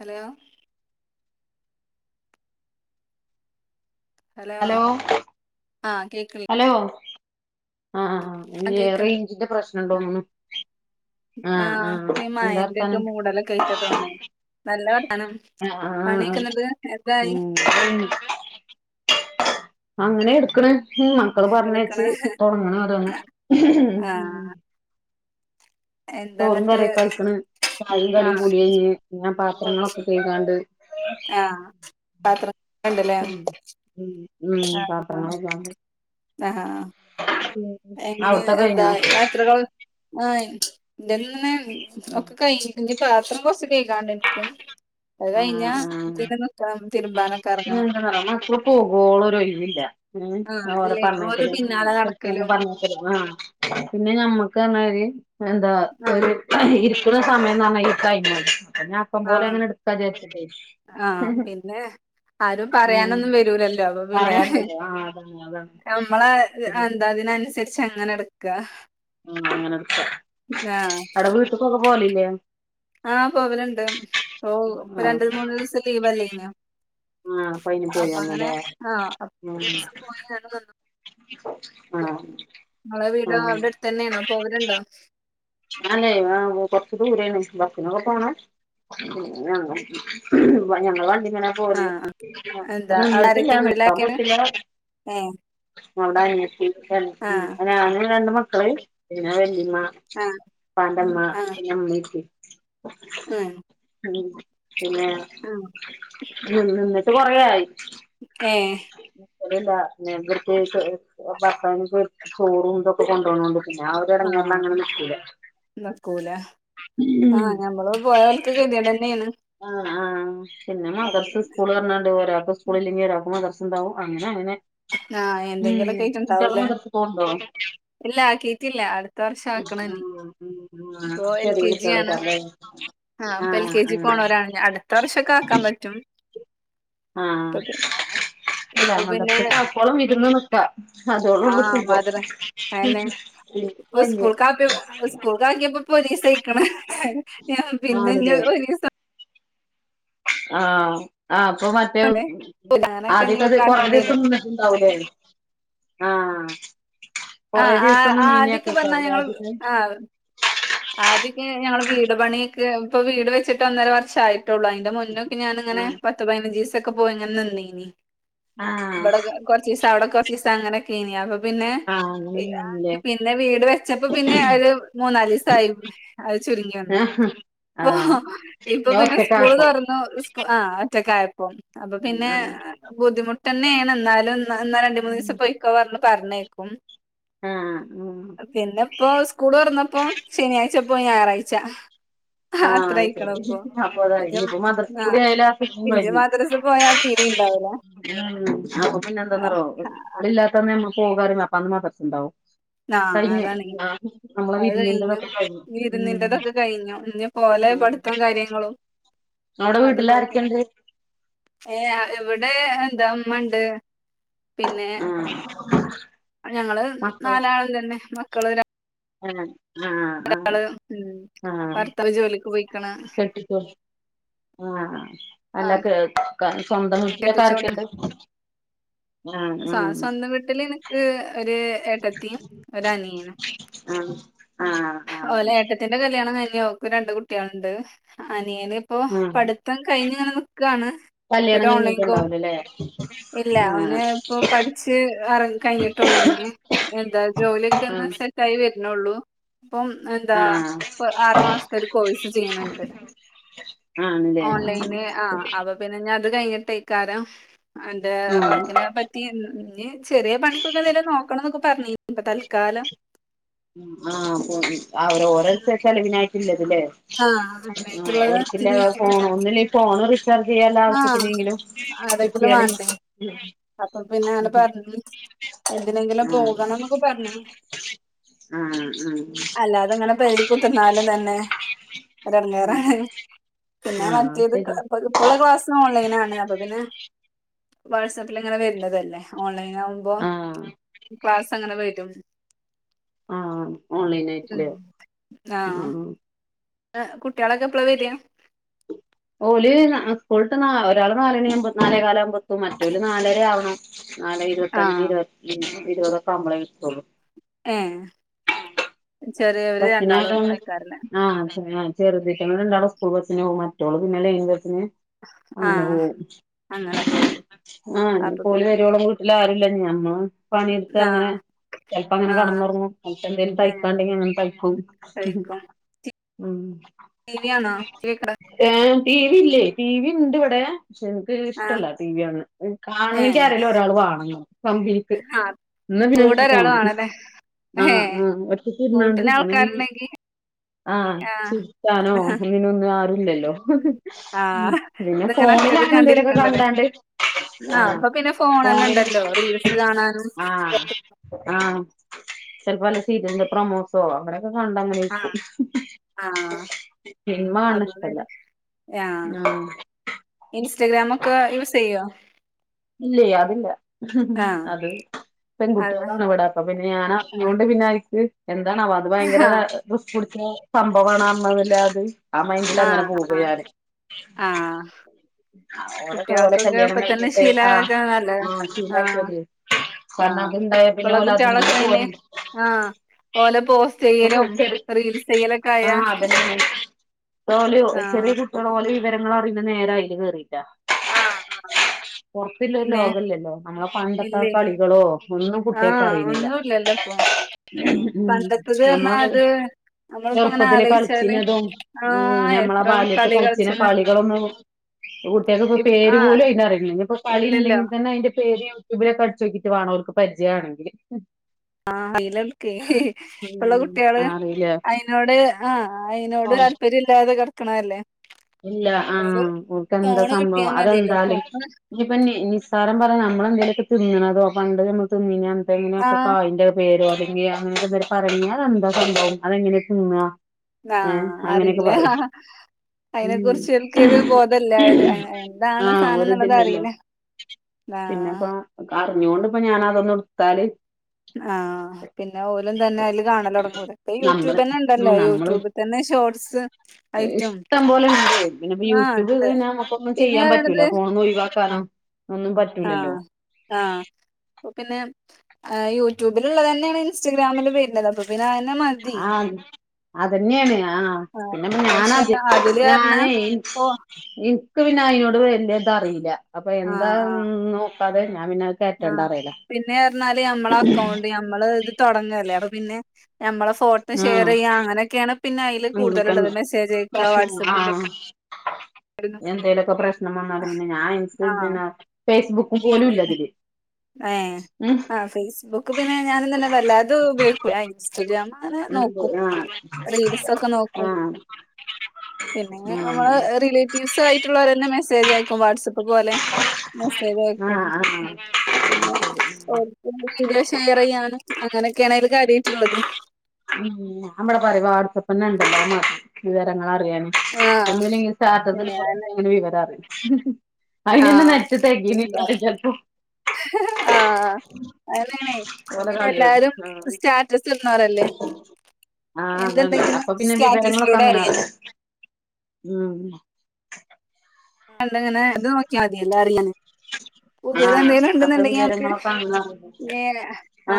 Hello hello hello ആഹ് കേക്ക്‌ണ് hello ആഹ് ആഹ് ആ ഇനി കേക്ക്‌ണ്ട് റേഞ്ചിന്റെ പ്രശ്നണ്ടോന്ന്ണ് ആഹ ഈ മായന്റെക്കെ മൂടലൊക്ക ണ്ടായ്റ്റാ തോന്ണ്‌ നല്ല വർത ആ ആഹ ഉ എന്തായി അങ്ങനെ എടുക്കണ് ഉ മക്കളെ എടുക്കണ പറഞ്ഞയ്ച്ചി തുടങ്ങണ താണ്‌ ഹ് ഹ് ആഹ് ചോറും എന്താന്നിട്ട് കറിയൊക്കഴ്ക്കണ് ചായുംകടിയ് ആഹ് കുടിയയ്ഞ് പിന്നെ പാത്രങ്ങളൊക്കെ കഴ്കാണ്ട് ആഹ് പാത്രം ഉണ്ടല്ലേ ഉ ഉ ഉ പാത്രങ്ങളെകാണ്ട് ആഹ ഹാ എങ്ങനെ അവിടത്തെ എന്താ കഴിഞ്ഞോ യാത്രകൾ ആ ന്റെ ഒക്കെ കൈഞ്ക്ക് പാത്രം കൊച്ച കേക്കാണ്ട്നക്കും അത് കഴിഞ്ഞ ഈന്ക്ക പിന്നെന്താ പറ മക്കള് പോകൊളൊ രൊയ് വില്ലാ ഓലപറഞ്ഞയ്ക്കലും അ നടക്കലും ആ പിന്നെ ഞമ്മക്ക്ന്നർഞാല് പിന്നെന്താ ആഹ് ഒരു ഇ സമം നർഞ്ഞ കഴിഞ്ഞ അക്കം പോലെങ്ങനെ എടുക്കാ ച്ച്ട്ടെ ആഹ പിന്നെ ആരും ഉം പറയാനൊന്നും വരൂലല്ലോ അപ്പൊ പിന്നെ ഹ് പറയാണ്ടല്ലോ ആ അതാണ് അതാണ് നമ്മളെ പിന്നെ എന്താതിനനു രിച് അങ്ങനെടുക്ക ഉ അങ്ങനെക്ക അവ്ടെ വീട്ട്ക്കൊക്കെ പോലില്ലേ ആഹ പവലുണ്ട് ഇപ്പൊ ഇപ്പൊ രണ്ടു ആഹ് മൂന്ന് ദിവസം ലീവ് അല്ലേയ്നൊ അയിന് പോയി അപ്പൊ അങ്ങനെ വന്നുല്ലേ ആ ഉം പോയി [inaudible] ആഹ് നളെ വീടാവിടെടുതന്നെയാണോ പോവലണ്ടോ ആല്ലേ ആ കൊർച്ച് ദൂരാണെ ബ സിനൊക്കെ പോണ ഉ ഞങ്ങ ഞങ്ങ വ ഇങ്ങനെ പോരു ആഹ് എന്താ അത് അവിടെ ന്നിട്ടില്ല ആരൊക്കെ ന്ക്കാൻ വീട്ടിലാരൊക്കെയാണ് പോത്തില്ല ഏഹ് അവിടെ അനിയെതിക്കാണ് ആഹ് ഉ ങ്ങ രണ്ട് മക്കള് പിന്നെ വെല്ലിമ്മ ആഹ് പണ്ടമ്മ പിന്നിമ്മീട്ട് ഏഹ് ഉം, പിന്നെ നിന്നിട്ട് കൊറേ ആയി. ഏഹ് അതല്ല [unintelligible] ഭർത്താവിൻക്ക് ചോറുംന്തൊക്കെ കൊണ്ടോണോണ്ടും. ഞാൻ ഒരു എടങ്ങേർനും ആഹ് അങ്ങനെ നിക്കൂല. നിക്കൂല ആഹ് ഞമ്മള് പോയാ ഓൽക്ക് ഗത്യേടന്നേണ്. ആ പിന്നെ മദർസ് സ്കൂള് പറഞ്ഞാണ്ട് ഒരാക്ക് സ്കൂളില്ലെങ്കി ഒരാക്ക് മദർസ് ഇണ്ടാവും. അങ്ങനെ, അങ്ങനെ ആഹ് ഉം, എന്തെങ്കിലൊക്കെ കുട്ട്യോള് ആയിട്ടുണ്ടാവൂലേ മദർസ്ക്ക് പോണ്ടോ? ഇല്ല ആക്കിയിട്ടില്ല അടുത്ത വർഷം ഉം ആക്കണം ഇനി ആ ഉം ആ ചെറിയ കുട്ട്യോളയ്ക്കാരം ലേ? ആഹ് ഇപ്പ എൽ കെ ജി ക്ക് പോണോരാണ് അടുത്ത വർഷൊക്കെ ആക്കാൻ പറ്റും. ഇപ്പൊ ആഹ് പിന്നെ അല്ല ഇപ്പൊ പിന്നെ മദർസ്ക്കാക്കോളം വിരുന്ന് നിക്കാ ആ അതോളൊള്ളൂ സുഖം. മദ്ര അയന്നെ ഇപ്പൊ പിന്നെ സ്കൂൾക്കാക്യ സ്കൂൾക്കാക്ക്യപ്പൊ ഒരീ സായ്‌ക്ക്ണ്. ഞാൻ ആണല്ലേ പിന്നെഞ്ഞ് ഒരീസം, ആഹ്, ആ ഇപ്പൊ മറ്റേ ആണ് ഞാനൊക്കെ ഇഞ്ഞ് ആദ്യത്തത് കൊറേ കാട്ടേണ്ടി ദിവസം വരും നിന്ന്ട്ട്ണ്ടാവുലേ. ആഹ് ആ, കൊറേ ആ, ദിവസം ആ ആദിക്ക് പറഞ്ഞാ നിന്നീനേക്കാരല്ലേ ഞങ്ങള് ആദ്യൊക്കെ ആ ആദ്യൊക്കെ ഞങ്ങള് വീട് പണിയൊക്കെ ഇപ്പൊ വീട് വെച്ചിട്ട് ഒന്നര വർഷായി. ട്ടൊള്ളു അയിന്റെ മുന്നൊക്കെ ഞാന്ങ്ങനെ പത്ത് പയ്ന ഞ്ചീസൊക്കെ പോയി ഇങ്ങനെ നിന്നീന്ന്. ആഹ് ഇബടെ കൊ കൊറച്ചീസം അവടെ കൊറച്ചീസം അങ്ങനൊക്കേന്ന് അപ്പ പിന്നെ ആഹ് അങ്ങനെ നിന്നില്ലേ പിന്നെ വീട് വെച്ചപ്പോ പിന്നെ ഒരു മൂന്നാലീസ് [unintelligible] അത് ചുരുങ്ങി വന്നു. ആഹ് ഓ ആഹ് ഇപ്പൊ പിന്നെ സ്കൂള് ഒറ്റക്കായപ്പോ തൊറന്നു സ്കു ആ ഇപ്പം. അപ്പ പിന്നെ ആഹ് ബുദ്ധിമുട്ടന്നേണ് ഇന്നാലും ഇന്ന ഇന്നാ രണ്ട്മൂന്നീസം പൊയ്ക്കോ പറഞ്ഞു. പറണേക്കും. ആഹ് ആഹ് പിന്നെപ്പോ സ്കൂള് തൊറന്നപ്പോ, ശനിയാഴ്ച പോയി ഞായറാഴ്ച. ആഹ് അത് അത്രയ്ക്ക്ണ്പ്പോ ശരി അപ്പൊ അതായി ഇഞ്ഞും ഇനിയിപ്പോ മദ്രസ ആ കൂടി ആയാല് സുഖം ഇഞ് കഴിഞ്ഞ് മദ്രസക്കോയാ തീരീണ്ടാവൂല. [unintelligible] അപ്പൊ പിന്നെ എന്താന്നറിയോ സ്കൂളില്ലാത്തന്ന് നമ്മള് പോകാറിമ്പൊ അപ്പ അന്ന് മദർ സ്ണ്ടാവും. ആ അതാണെയ്, അത് കയിഞ്ഞു വിരുന്നിന്റെതൊക്കെ കഴിഞ്ഞു ഉം വിരുന്നിൻ്റതൊക്കെ കയിഞ്ഞു. ഇഞ്ഞിപ്പോലെ ഉം പഠിത്തോം കാര്യങ്ങളും അവിടെ അത് നോക്കിങ്ങ വീട്ടിലാരൊക്കെണ്ട് ഏ ഇവിടെ എന്താ ഇമ്മണ്ട്, പിന്നെ ആ ഞങ്ങള് നാലാളും തന്നെ മക്കള് ര ഏഹ്, ആ, ഉം ആ, ആ ഭർത്താവ് ജോലിക്ക് പോയിക്കണ് കെട്ടിക്കോ ആഹ് ആ അല്ല കേൾക്കാൻ സ്വന്തം വീട്ടിലൊക്കെ ആരൊക്കെണ്ട്? ആ സ ആ സ്വന്തം വീട്ടില് നിക്ക് ഒരു ഏട്ടത്തിയും, ഒരനിയനും. ആ ആ ആ ആ ഓലേട്ടത്തിന്റെ കല്യാണം കയ് ഇഞ്ഞ് ഓക്ക് രണ്ട് കുട്ട്യേള്ണ്ട്. അനിയൻ ഇപ്പോ പഠിത്തം കയ്ഞ്ഞ്ങ്ങനെ നിക്കാണ്. ഒരു കല്യാണം ഓൺലൈൻ കോഴ് കഴിഞ്ഞിട്ടുണ്ടാവൂലല്ലേ ഇല്ല ആ അവന് ഇപ്പൊ പഠിച്ച് എറ കഴിഞ്ഞിട്ടൊള്ളൂ. ഉം, എന്താ ജോലിയൊക്കെ ആ ഒന്ന് സെറ്റ് ആയി വര്ണൊള്ളൂ. ഇപ്പം എന്താ ആ ഇപ്പ ആറു മാസത്ത ഒരു കോഴ്സ് ചെയ്യ്ണ് ണ്ട്. ആണ്ല്ലേ ആ ഓൺലൈന് ആ അപ്പൊ പിന്നെ ഞാൻ അത് കയ്ഞ്ഞിട്ടേക്കാരം അവന്റെ ആ വർക്കിനെ പറ്റി ഇൻ ഇഞ്ഞ് ചെറിയ പണിക്കൊക്കെ എന്തേലും നോക്കണംന്നൊക്കെ പറഞീന്ന് ഇപ്പ തൽക്കാലം. ആ പോ അവരോരൊ ര് ചെലവിനായിട്ട്ള്ളത്. ട്ട്ലേ ആ ആ അതിനായിട്ടുള്ളത് ഓൽക്ക്ല്ലെ ഫോ ഒന്നൂല്ലെയ് ഫോണ് റീചാർജ് ചെയ്യാല്ല ആ ആവശ്യത്തിനെങ്കിലും, ആരെങ്കിലും സത്യാണ്. വേണ്ടേ അപ്പൊ പിന്നെ ആണ് പറഞ്ഞ് എന്തിനെങ്കിലും ആഹ് പോകണംന്നൊക്കെ പറഞീന്ന്. ആഹ് അല്ലാതങ്ങനെ പേരേ കുത്തിരുന്നാലും തന്നെ, അതെടങ്ങേറാണ്. പിന്നെ ആഹ് ആഹ് മറ്റേത് ഇക്ക് ശരി ഇപ ഇപ്പള്ള ക്ലാസ് ഓൺലൈനാണ്. അപ്പൊ പിന്നെ, വാട്സാപ്പിൽ ഇങ്ങനെ വരുന്നതല്ലേ ഓൺലൈൻ ആകുമ്പോ ആഹ് ക്ലാസ് അങ്ങനെവെരും. ആ ഓൺലൈൻ ആയിറ്റ്ല്ലേ? ആഹ് കുട്ട്യാളൊക്കെ എപ്പളാ വെര ഓല് ന്നാ സ്ക്കുള്ട്ട് ന്നാ ഒരാള് നാലണിയാവുമ്പോ നാലേ കാലവുമ്പോത്തും മറ്റോരല് നാലര ആവണം നാലേ ഇരുപത്തഞ്ച് ആഹ് ഇരുപത്തോ മ്മ് ഇരുപതൊക്കെ ആവുമ്പോ എത്തൊള്ളൂ ഏ ചെറിയോർ രണ്ടാളും ബസ്സിനായതോണ്ട് ആയ്ക്കാരംലെ? ആഹ് ചെറുതീറ്റങ്ങൾ രണ്ടാളും സ്കൂൾ ബസ്സിനോകും മറ്റോൾ പിന്നെ ലൈൻ ബസ്സിന് അങ്ങനെ ആഹ് പോവും അങ്ങനെ പോകും ആ അപ്പൊ ഞ്ഞിപ്പോല് പിന്നെ വെരോളം വീട്ടിലാരുല്ലച്ച് ഞമ്മൾ പണിയെടുത്ത് അങ്ങനെ ആഹ് ചെല പ്പോ അങ്ങനെ ആഹ് കെടന്നുറങ്ങു ചെലപ്പോ എന്തെലും ഏഹ് തയ്ക്കാണ്ടെങ്കിൽ അങ്ങനെ ഉം ഹ്മ്മ് മ്മ് ടീവിയാണോ കേൾക്ണ് ടി വി ല്ലേയ് ടി വി ഇണ്ട് വടെ പക്ഷെ ഇൻക്ക് ആഹ് ഇഷ്ട്ടല്ല ടിവിയാണാൻ കാണണെങ്കിൽ ഏഹ് ആരേലും ഒരാൾ വാണം. കമ്പിനിക്ക് ആഹ് ഇന്നാ കൂടെ പിന്നെങ്ങനെ ഒരാള് കാണും വേണല്ലേ ആ ആ ഒറ്റ ഇരുന്നാണ്ട് കണെങ്കി ആ ചിരിക്കാനോ അങ്ങനെ ഒന്നും ആരുല്ലല്ലോ ആഹ് പിന്നെ ഇതിങ്ങനെ ഫോണില് ഒറ്റക്ക് ഞാനെന്ത്യെലൊക്കെ കണ്ടിരിക്കണ്ടല്ലേ കണ്ടാണ്ട് ആ ആഹ് അപ്പൊ പിന്നെ ഫോണന്നെ ഫോണില് ഇണ്ടല്ലോ റീൽസ് കാണാനും ആ ആ ചെലപ്പോ വല്ല സീരിയലിന്റെ പ്രൊമോസോ അങ്ങനെയൊക്കെ കണ്ടങ്ങനെരിക്കും. ആ അപ്പൊ ഇഷ്ടല്ല പിന്നെ ആ ആഹ് ഇൻസ്റ്റഗ്രാമൊക്കെ യൂസ് ചെയ്യോ? ഇല്ലെയ്‌ അതില്ല ആഹ് അത് അതെ പെൺകുട്ടിയാളാണ് ഇവിടെ അപ്പോപിന്നെ ആഹ് ഞാനറിഞ്ഞോണ്ട് പിന്നയ്ക്ക് എന്താണവോ അത് ഭയങ്കര റിസ്കുടിച്ച സംഭവണർഞ്ഞത്? ആ മൈൻഡി ലങ്ങനെ ആഹ് പോകാ ഞാന് ആഹ് അ ഓലൊക്കെ ഓലെ കുട്ട്യാൾക്കൊക്കെ കല്യാണം ഇപ്പ തന്നെ കഴിഞ്ഞിട്ട് ആ ശീലാക്കാൻ നല്ലതാ ആ ആഹ് ശീലകിയാതി കാരണം ആഹ് അത് ഇണ്ടായ പിന്നെ ഇപ്പള്ള ഓലതിമെന്ന് കുട്ട്യാളൊക്കെ അയിന് പോരൂല ആഹ് ഓലെ പോസ്റ്റ് ചെയ്യലും റീൽസ് ചെയ്യലൊക്കെ ആയാ ഓലു ചെറിയ ആഹ് കുട്ടിയാൾ ഓരോ വിവരങ്ങളറിയുന്നെ നേരഅയ്ല് കേറീട്ടാ. ആ ഹ ആ പൊറത്തില്ലൊരു ലോകല്ലല്ലോ? ഞമ്മളെ പണ്ടത്തെ ആ ഇല്ലേ കളികളോ ഒന്നും കുട്ടിക്ക് ആഹ് അറീണില്ല. ഒന്നുല്ലല്ലോ ഇപ്പൊ മം പണ്ടത്തത് പറഞ്ഞാ ഞമ്മളൊക്കെ അത് നമ്മളിപ്പോ ഇങ്ങനെ ചെറുപ്പത്തില് ആലോയിച്ചാല് കളിച്ചീനതും മം ആഹ് ഞമ്മളെ എത്ര ബാല്യതില് കളി കളിച്ച കളിച്ചതാ കളികളൊന്നും ഇപ്പൊ കുട്ടിയാൾക്കിപ്പോ ഇപ്പ ഇപ് പേര് ആഹ് പോലും അയ്ൻ അറിണില്ല ഇഞ്ഞിപ്പോ കളി ഇല്ലല്ലോ ഇണ്ടെങ്കിൽ തെന്നെ അയിന്റെ പേര് യൂട്യൂബിലൊക്കെ അടിച്ചോക്കീട്ട് വാണോൽക്ക് പരിജയാണെങ്കിൽ ആ അയിലോക്കേ ആ ഇപ്പള്ള ഉം കുട്ട്യാള് അറിയില്ല അയിനോട് ആ അയിതനോട് താല്പര്യം ഇല്ലാതെ കെട്ക്കണല്ലേ? ഇല്ല ആ ഓൾല്ക്കെന്താ എന്താ ഫോണ് സംഭവം കിട്ടിയാ മതിയല്ലോ ഫോ അതെന്താലും ഇഞ്ഞിപ്പോ നിസ്സാരം പറഞ് നമ്മളെന്തേലൊക്കെ തിന്ന്ണതോ പണ്ട് ഞമ്മള് തിന്നീന്റെ ആഹ് കായിന്റൊക്കെ പേരോ അല്ലെങ്കി ഏഹ് അങ്ങനെന്തേം പറയാണ്ണെങ്കി അതെന്താ സംഭവം അതെങ്ങനെ തിന്നാ ഏ ആഹ് അങ്ങനെയൊക്കെ അറിയില്ല പറയും. അയിനെ കുറിച്ച് ഓൽക്കൊരു ബോധല്ല ഓല് അയിന് ആ എന്താണ് ഒരി സാധനംന്നുള്ളത് തില്ലല്ലോ? അറിയില്ല ആഹ് പിന്നെപ്പോ അറിഞ്ഞോണ്ട് ഇപ്പോ ഞാന് അതൊന്നെടുത്താല് ആഹ് പിന്നെ ഓലും തെന്നെ അതില് കാണാലെടങ്ങും ഇപ്പോ നമ്മള് യൂട്യൂബന്നെ ഇ ആഹ് ണ്ടല്ലോ നമ്മള് യൂട്യൂബ് തന്നെ ഇഷ്ടം ഷോട്സ് അയ്റ്റും. ഇഷ്ടം പോലെ ണ്ടേയ് പിന്നെപ്പോ യൂട്യൂബ് നമുക്കൊന്നും പിന്നെ ചെയ്യാൻ പറ്റൂല്ല പറയണത് ഫോണ്ന്ന് ഒഴിവാക്കാനോ ഇല്ലല്ലോ? ആഹ് ആഹ് പിന്നെ ആ യൂട്യൂബിലുള്ളതെന്നെണ് ഇൻസ്റ്റാഗ്രാമിലും വേര്ന്നത് അപ്പൊ പിന്നെ പിന്നെ അയന്നെ മതി ആഹ് അതന്നെയാണ് ആ പിന്നെപ്പ പക്ഷെ ഞാനത് അതില് ഞാനത് പറഞ്ഞ ഞാനെയ് ഓ - ഇക്ക് പിന്നെ അയിനോട് വലിയ ഇത് അറീല്ല അപ്പൊ എന്താ ഒന്നും അപ്പതെയ് ആഹ പിന്നെ പറഞ്ഞാല് ഞമ്മള അക്കൗണ്ട് ഞമ്മള് ഇത് തുടങ്ങല്ലേ അപ്പ പിന്നെ ഞമ്മളേ ഫോട്ടോ ഷെയർ ആഹ് ചെയ്യുക അങ്ങനെയൊക്കെയാണ് പിന്നെ അതിൽ കൂടുതലുള്ളത് അങ്ങനൊക്കെണ്ട് മെസ്സേജ്അയക്കുക പ്രശ്നം വാട്സപ്പിന്റെ ആഹ് എന്തേലൊക്കെ പ്രശ്നം വന്നാലും പിന്നെ ഞാൻ ആഹ് ഇൻസ് ഫേസ്ബുക്ക് [unintelligible] ഏ ആ ഫേസ്ബുക്ക് പിന്നെ ഞാനും തന്നെ വല്ല അത് ഉപയോഗികൂല ഇൻസ്റ്റാ അങ്ങനെ ഉണ്ട് നോക്കും ആഹ് റീൽസൊക്കെ നോക്കും ആഹ് പിന്നെങ്ങി നമ്മള് ആഹ് റിലേറ്റീവ്സ് ആയിട്ടുള്ളവരെ മെസ്സേജ് മെസ്സേജ് അയക്കും വാട്ആപ്പ് പോലെ [unintelligible] സ്സേജയക്കും ആഹ് ആഹ് പിന്നെ ഓർക്ക വീഡിയോ ഷെയർ ചെയ്യാണ് അങ്ങനെ ഒക്കെയാണ് അത് കാര്യയി ട്ടുള്ളത് ഉ നമ്മടെ പറയ വാട്സആപ്പ് തന്നെ ഉണ്ടല്ലോ വിവരങ്ങളറിയാൻ ആ പിന്നെ അങ്ങനെ [unintelligible] വിവരം അറിയും ആ [unintelligible] ആഹ അങ്ങനണെ ഓലെ പിന്നെ കളിയോട് എല്ലാരും ആഹ് സ്റ്റാറ്ററ്റസ് ഇടും [unintelligible] ആഹ് അതാണ് എന്ത്ണ്ടെങ്കിലും അപ്പൊ പിന്നെ വിവരങ്ങളൊക്കെ സ്റ്റാറ്റസിലൂടെ അങ്ങനെ അറിയാം അറിയും ഉം ണ്ടങ്ങനെ എത് നോക്കിയാൽ മതി എല്ലാ അറിയാന് പുതിയത് ആഹ് എന്തെിലും അപ്പൊ ഉണ്ടെന്നുണ്ടെങ്കിൽ ഞക്ക് വിവരങ്ങളൊക്കെ അങ്ങനെ അറിയും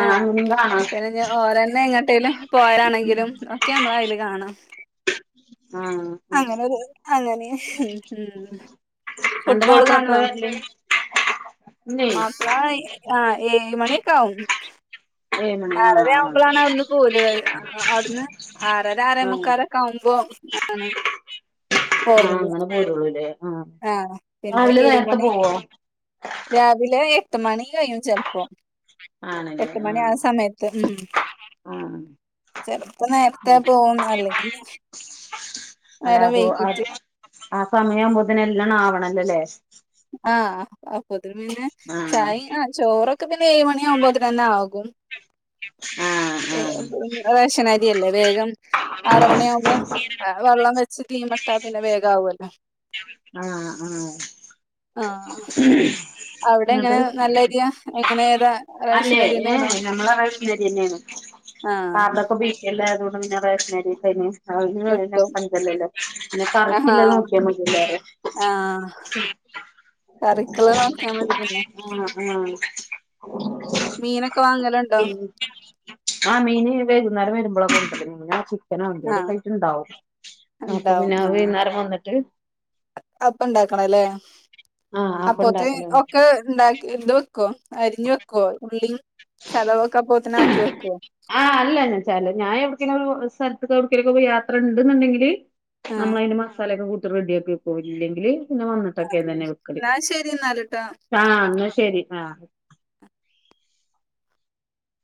ആഹ അങ്ങനിം കാണാം പിന്നെ [unintelligible] അന്നെ എങ്ങട്ടേും പോയരാണെങ്കിലും ഒക്കെ നമ്മള അതിൽ കാണാം ആഹ ആ അങ്ങന മ് മ് അന്റെ ഫുട്ബോള് മാപ്പള കാണുവ എപ്പളാ വരല് ഇന്നേ മാപ്പിള ആഹ ഏയ് മണിക്കാവും ഏഴ് മണി ആഹ് ആറര ആഹ് ആവുമ്പോളാണ് അവിടുന്ന് പോലണത് അവിടുന്ന് ആറര ആഹ് ആറമുക്കാലോക്കെ ആവുമ്പോ ആണോ ഹോ ആഹ് അങ്ങനെ പോരുള്ളൂല്ലേ ആഹ് ആഹ പിന്നെ രാവിലെ ഏഴ് നേരത്തെ മണി പോവോ രാവിലെ എട്ട് മണി കഴിയും ചിലപ്പോ പോ ആണല്ലേ എട്ട് മണി ആ ആഹ് സമയത്ത് ഉം ആഹ് ചെലപ്പോ നേരത്തെ ഉം പോവുന്നല്ലെ [unintelligible] ആ സമയ ആകുമ്പോതിനെ എല്ലാംണം ആവണല്ലോല്ലേ അപ്പൊതിന് പിന്നെ ആഹ് ചായ ആ ചോറൊക്കെ പിന്നെ ഏഴ് മണി ആകുമ്പോ തിനന്നേ ആകും ആ റേഷനരിയല്ലേ വേഗം ആറ് മണിയവുമ്പോ വെള്ളം വെ കുറച്ചു തീമട്ട പിന്നെ വേഗം ആവല്ലോ ആഹ ആ ആഹ അവിടെ എങ്ങനെ നല്ല അരിയാ എങ്ങനെ ഏതാ അല്ലെ റേഷനരിന്നെയാണോ ഏഹ് നമ്മളവിടെ റേഷൻ അരിന്നെയാണ് ആഹ് കാർടെക്കെ ബിപിൽ അയതുകൊണ്ട് പിന്ന കിട്ടും [unintelligible] പിന്നെ ആഹാ കരിക്കില്ലത് നോക്കിയ മതിയല്ലെ ആഹ് കറിക്കുള്ളത് നോക്കിയാൽ മതി പിന്നെ ആ ആ മീനൊക്കെ വാങ്ങലുണ്ടോ? ആ മീന് വേകുന്നേരം വരുമ്പോ [unintelligible] ചിക്കനോ എന്തങ്കിലും ആഹ് ആയിട്ട്ട്ടുണ്ടാവും അപ്പൊ പിന്നെ വൈകുന്നേരം വന്നിട്ട് അപ്പൊ ഇണ്ടാക്കണല്ലേ ആ അപ്പൊ അപ്പത്തെ ഉണ്ടാക്കലാണ് ഒക്കെ ഇ ണ്ടാക്ക എന്ത് വെക്കുവോ അരിഞ്ഞു വെക്കുവോ ഉള്ള ചതവെക്കാ പോത്തന്നെ ആക്കി വെക്കുവോ ആ അല്ല ഞാൻ ഞാൻ എവിടെക്കിന് സ്ഥലത്തിലെവിടൊക്കിന് പോ യാത്ര ഇണ്ടുണ്ടെങ്കിൽ ആഹ് നമ്മള അതി മസാലൊക്കെ കൂട്ടി റെഡിയാക്കി വെക്കും ഇല്ലെങ്കില് പിന്നെ വന്നിട്ടൊക്കെ ആഹ് തന്നെ വക്കല് ഇന്നാ ശരി ഇന്നാല്ട്ടോ. ആ എന്നാ ശരി ആ